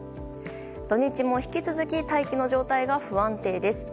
土日も引き続き大気の状態が不安定です。